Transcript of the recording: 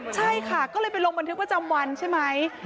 ใช่ค่ะก็เลยไปลงบันทึกประจำวันใช่ไหม